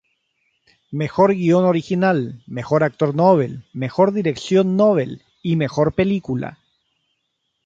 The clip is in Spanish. Mejor guion original, mejor actor novel, mejor dirección novel y mejor película.